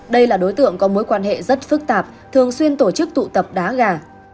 đây là đối tượng có mối quan hệ rất phức tạp thường xuyên tổ chức tụ tập đá gà